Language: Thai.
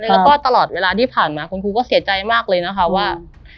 แล้วก็ตลอดเวลาที่ผ่านมาคุณครูก็เสียใจมากเลยนะคะว่า